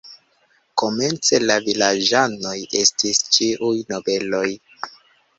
Komence la vilaĝanoj estis ĉiuj nobeloj.